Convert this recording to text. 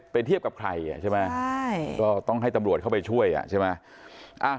เทียบกับใครใช่ไหมก็ต้องให้ตำรวจเข้าไปช่วยอ่ะใช่ไหม